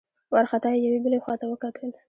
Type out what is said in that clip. وارخطا يې يوې بلې خواته وکتل.